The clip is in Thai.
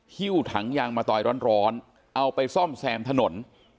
ฮิ้วถังยางมาตอยร้อนเอาไปซ่อมแซมถนน